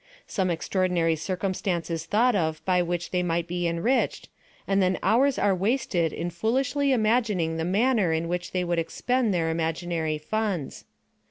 some extraordinary circumstance is thought of by which they might be enriched, and then hours are wasted in foolishly imagining the manner in which they would expend their imaginary funds.